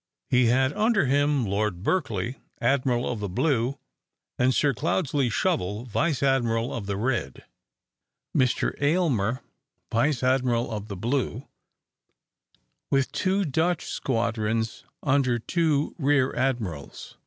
He had under him Lord Berkeley, Admiral of the Blue, and Sir Cloudesley Shovel, Vice Admiral of the Red; Mr Aylmer, Vice Admiral of the Blue, with two Dutch squadrons under two rear admirals.